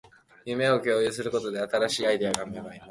夢を共有することで、新しいアイデアが芽生えます